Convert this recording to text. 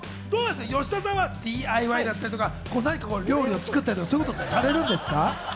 吉田さんはＤＩＹだったり、料理作ったり、そういうこと、されるんですか？